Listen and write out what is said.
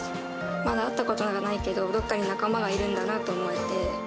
まだ会ったことはないけど、どっかに仲間がいるんだなと思え